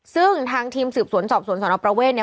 ซึ่งทางทีมสืบสวนสอบสวนสนประเวทเนี่ย